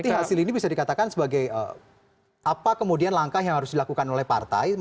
berarti hasil ini bisa dikatakan sebagai apa kemudian langkah yang harus dilakukan oleh partai